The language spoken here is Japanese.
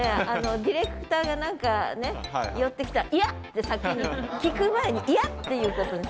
ディレクターが何かね寄ってきたら「嫌！」って先に聞く前に「嫌！」って言うことに。